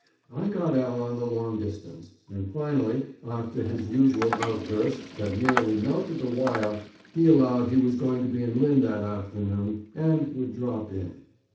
I got Al on the long distance, and finally, after his usual outburst that nearly melted the wire, he allowed he was going to be in Lynn that afternoon and would drop in.